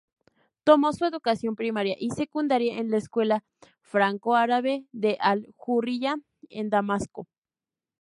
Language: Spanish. Tomó su educación primaria y secundaria en la Escuela Franco-Árabe de al-Hurriya, en Damasco.